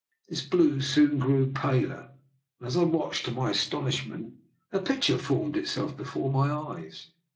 This blue soon grew paler; and as I watched, to my astonishment, a picture formed itself before my eyes.